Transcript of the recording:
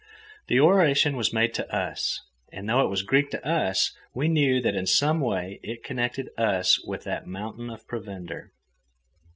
The oration was made to us, and though it was Greek to us, we knew that in some way it connected us with that mountain of provender.